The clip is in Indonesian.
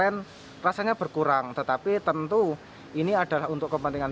karena tidak waisak secara offline rasanya berkurang tetapi tentu ini adalah untuk kepentingan